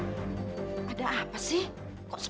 gak ada apa putih gitu deh